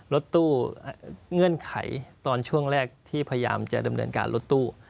รถตู้เงื่อนไขตอนช่วงแรกที่พยายามจะดำเนินการรถตู้